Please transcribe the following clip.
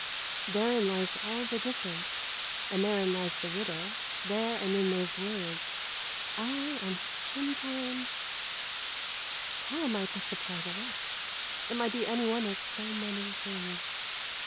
Therein lies all the difference, and therein lies the riddle, there and in those words, "I am sometimes " How am I to supply the rest? It might be any one of so many things.